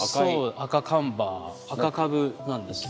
赤かぶなんですね。